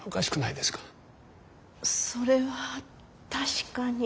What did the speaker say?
それは確かに。